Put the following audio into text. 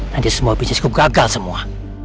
nanti semua bisnisku gagal semua